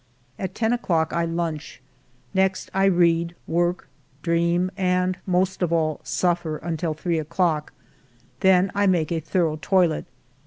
At ten o'clock I lunch. Next I read, work, dream, and, most of all, suffer, until three o'clock. Then I make a thorough toilet.